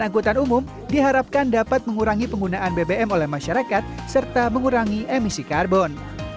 angkutan umum diharapkan dapat mengurangi penggunaan bbm oleh masyarakat serta mengurangi emisi karbon